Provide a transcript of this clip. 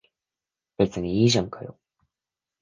別にいいじゃんかよ。